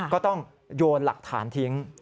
ก็ต้องโยนหลักฐานทิ้ง